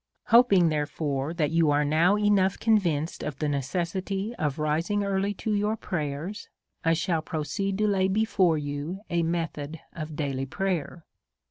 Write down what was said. Hoping, therefore, that you are now enough con vinced of the necessity of rising early to your prayers, I shall proceed to lay before you a method of daily prayer.